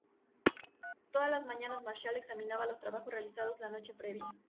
Todas las mañanas Marshall examinaba los trabajos realizados la noche previa.